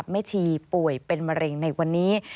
แม่ชีป่วยเป็นมะเร็งในวันนี้